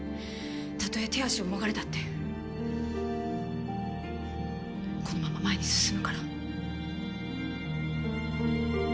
たとえ手足をもがれたってこのまま前に進むから。